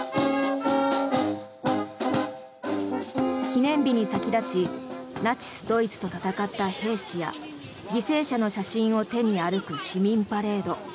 記念日に先立ちナチス・ドイツと戦った兵士や犠牲者の写真を手に歩く市民パレード